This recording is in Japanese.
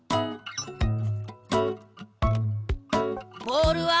ボールは！？